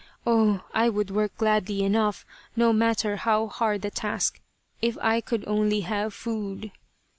Oh I would work gladly enough, no matter how hard the task, if I could only have food.